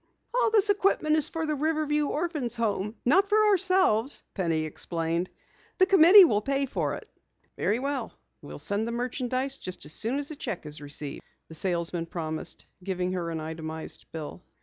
"All this equipment is for the Riverview Orphans' Home not for ourselves," Penny explained. "The committee will pay for it." "Very well, we'll send the merchandise just as soon as a cheque is received," the salesman promised, giving her an itemized bill.